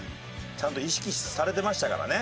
ちゃんと意識されてましたからね。